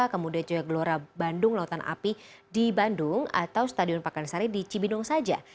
kemudian juga gelora bandung lautan api di bandung atau stadion pakansari di cibinong saja